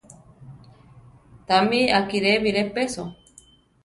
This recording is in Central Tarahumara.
Tamí á kiri biré peso.